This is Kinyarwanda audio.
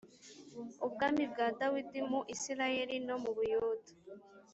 Ubwami bwa Dawidi muri Isirayeli no mu Buyuda